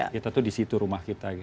kita tuh disitu rumah kita